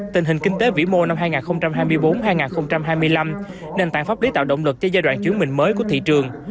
tình hình kinh tế vĩ mô năm hai nghìn hai mươi bốn hai nghìn hai mươi năm nền tảng pháp lý tạo động lực cho giai đoạn chuyển mình mới của thị trường